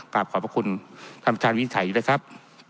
กลับขอบคุณท่านประธานวินฉัยอยู่ด้วยครับ